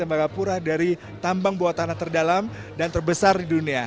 kembali ke mbak kapura dari tambang bawah tanah terdalam dan terbesar di dunia